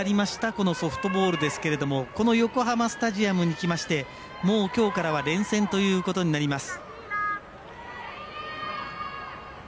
このソフトボールですけれどもこの横浜スタジアムに来ましてもう、きょうからは連戦ということになります。